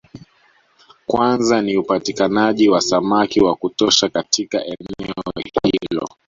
Kwanza ni upatikanaji wa samaki wa kutosha katika eneo hilo